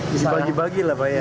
dibagi bagilah pak ya